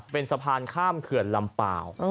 เป็นสะพานข้ามเขื่อนลำเปล่า